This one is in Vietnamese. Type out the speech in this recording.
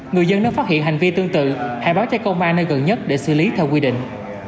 người dân nếu phát hiện hành vi tương tự hãy báo cho công an nơi gần nhất để xử lý theo quy định